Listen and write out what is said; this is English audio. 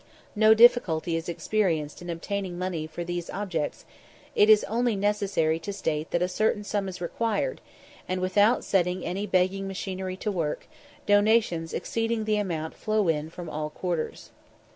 No difficulty is experienced in obtaining money for these objects; it is only necessary to state that a certain sum is required, and, without setting any begging machinery to work, donations exceeding the amount flow in from all quarters.